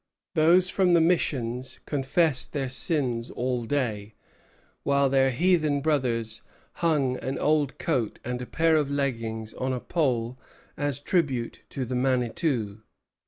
Those from the missions confessed their sins all day; while their heathen brothers hung an old coat and a pair of leggings on a pole as tribute to the Manitou.